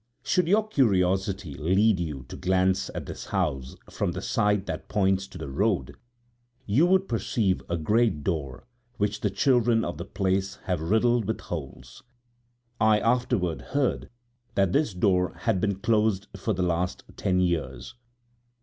Should your curiosity lead you to glance at this house from the side that points to the road, you would perceive a great door which the children of the place have riddled with holes. I afterward heard that this door had been closed for the last ten years.